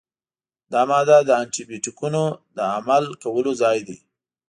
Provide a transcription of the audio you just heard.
دا ماده د انټي بیوټیکونو د عمل کولو ځای دی.